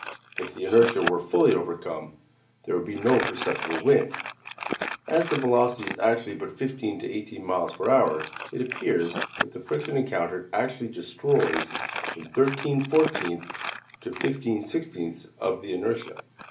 If the inertia were fully overcome, there would be no perceptible wind; as the velocity is actually but fifteen to eighteen miles per hour, it appears that the friction encountered actually destroys from thirteen fourteenths to fifteen sixteenths of the inertia.